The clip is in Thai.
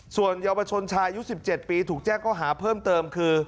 ส่วนเยาวชนชายุ๑๗ปีถูกแจ้งก็หาเพิ่มเติมคือ